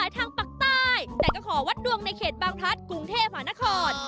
แต่ก็ขอวัดดวงในเขตบางพัฒน์กรุงเทพฯหวานาคอร์ด